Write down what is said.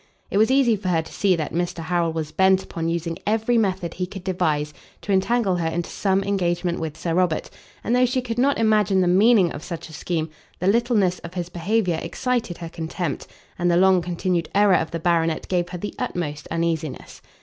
It was easy for her to see that Mr Harrel was bent upon using every method he could devise, to entangle her into some engagement with Sir Robert, and though she could not imagine the meaning of such a scheme, the littleness of his behaviour excited her contempt, and the long continued error of the baronet gave her the utmost uneasiness.